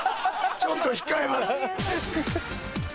ちょっと控えます。